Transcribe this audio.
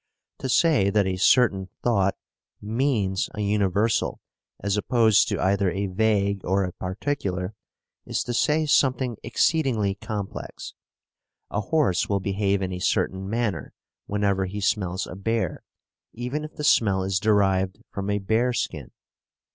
To say that a certain thought "means" a universal as opposed to either a vague or a particular, is to say something exceedingly complex. A horse will behave in a certain manner whenever he smells a bear, even if the smell is derived from a bearskin.